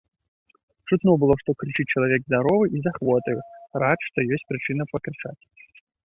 Чутно было, што крычыць чалавек здаровы і з ахвотаю, рад, што ёсць прычына пакрычаць.